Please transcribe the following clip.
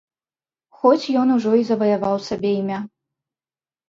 Хоць ён ужо і заваяваў сабе імя.